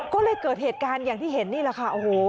ก็เลยเกิดเหตุการณ์อย่างที่เห็นนี่แหละค่ะโอ้โห